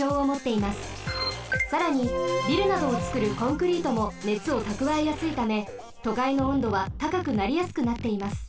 さらにビルなどをつくるコンクリートもねつをたくわえやすいためとかいの温度はたかくなりやすくなっています。